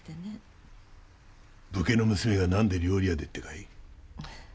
「武家の娘が何で料理屋で」ってかい？